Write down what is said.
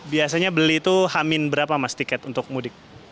biasanya beli itu hamin berapa mas tiket untuk mudik